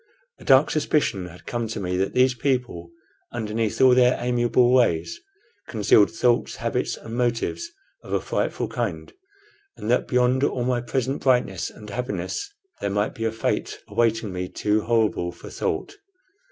A dark suspicion had come to me that these people, underneath all their amiable ways, concealed thoughts, habits, and motives of a frightful kind; and that beyond all my present brightness and happiness there might be a fate awaiting me too horrible for thought.